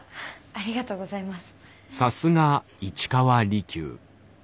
ありがとうございます。